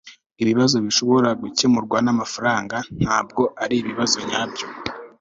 ibibazo bishobora gukemurwa namafaranga ntabwo aribibazo nyabyo